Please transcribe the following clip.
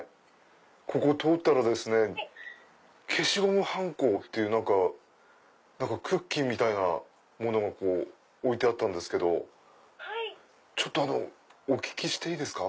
ここ通ったらですね消しゴムはんこっていうクッキーみたいなものが置いてあったんですけどちょっとお聞きしていいですか？